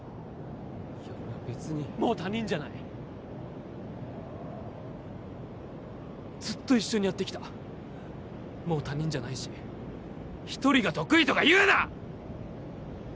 いや俺は別にもう他人じゃないずっと一緒にやってきたもう他人じゃないしひとりが得意とか言うな！